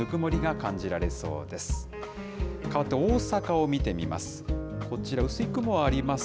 かわって、大阪を見てみます。